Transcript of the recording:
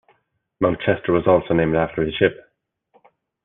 Mount Chester was also named after his ship.